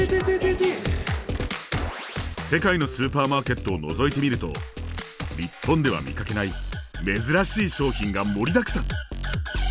世界のスーパーマーケットをのぞいてみると日本では見かけない珍しい商品が盛りだくさん！